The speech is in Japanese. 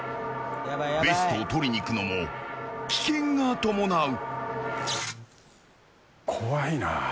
ベストを取りに行くのも危険が伴う。